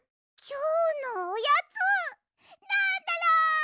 きょうのおやつなんだろ？